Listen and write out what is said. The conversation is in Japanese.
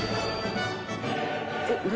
「えっ何？